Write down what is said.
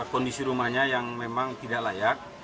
kondisi rumahnya yang memang tidak layak